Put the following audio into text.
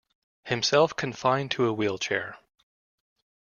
Himself confined to a wheelchair.